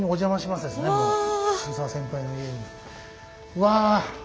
うわ！